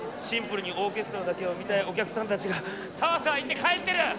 シンプルにオーケストラだけを見たいお客さんたちがさわさわ言って帰ってる！